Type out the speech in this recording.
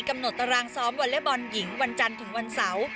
กำหนดตารางซ้อมวอเล็กบอลหญิงวันจันทร์ถึงวันเสาร์